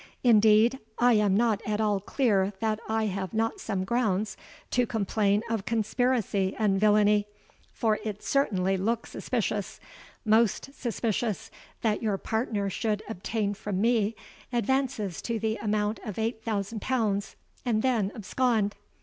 Indeed, I am not at all clear that I have not some grounds to complain of conspiracy and villainy: for it certainly looks suspicious—most suspicious that your partner should obtain from me advances to the amount of eight thousand pounds, and then abscond.